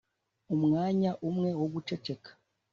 umwanya umwe wo guceceka,